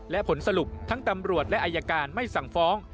และผลสรุปทั้งตำรวจและอายการไม่สั่งฟ้อง